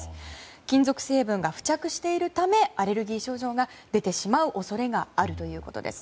金属成分が付着しているためアレルギー症状が出てしまう恐れがあるということです。